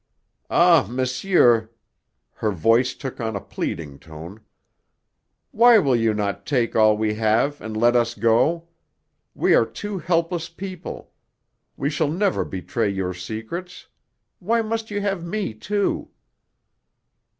Ah, monsieur" her voice took on a pleading tone "why will you not take all we have and let us go? We are two helpless people; we shall never betray your secrets. Why must you have me too?"